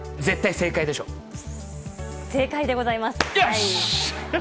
正解でございます。